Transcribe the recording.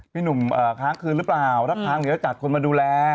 พี่หนุ่มค้างคืนหรือเปล่าถ้าค้างเดี๋ยวจะจัดคนมาดูแล